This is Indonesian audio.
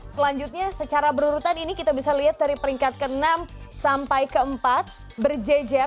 selanjutnya secara berurutan ini kita bisa lihat dari peringkat ke enam sampai ke empat berjejer